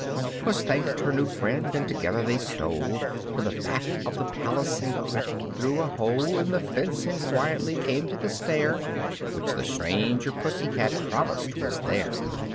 Puss thanked her new friend, and together they stole To the back of the palace, and crept through a hole In the fence, and quietly came to the stair Which the stranger Pussy cat promised was there.